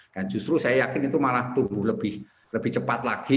dan justru saya yakin itu malah tumbuh lebih cepat lagi